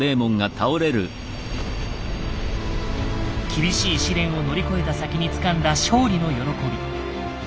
厳しい試練を乗り越えた先につかんだ勝利の喜び。